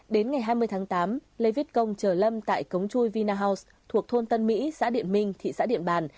đến ngày hai mươi tháng tám lê viết công chờ lâm tại cống chui vina house thuộc thôn tân mỹ xã điện minh thị xã điện bàn